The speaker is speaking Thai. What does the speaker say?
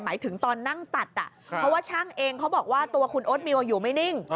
หมายถึงตอนนั่งตัดเพราะว่าช่างเองเขาบอกว่าตัวคุณโอ๊ตมิวอยู่ไม่นิ่ง